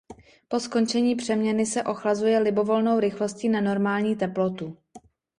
Po skončení přeměny se ochlazuje libovolnou rychlostí na normální teplotu.